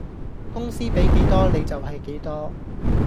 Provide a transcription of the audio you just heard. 公司比幾多你就係幾多